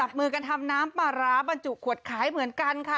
มือกันทำน้ำปลาร้าบรรจุขวดขายเหมือนกันค่ะ